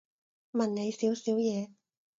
問你少少嘢